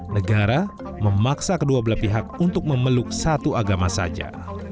negara memaksa kedua belah pihak untuk memeluk satu agama saja